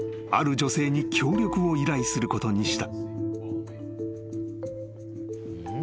女性に協力を依頼することにした］